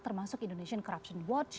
termasuk indonesian corruption watch